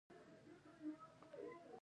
رومیان له غوړو پرته هم پخېږي